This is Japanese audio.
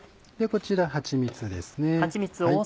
こちらはちみつですね。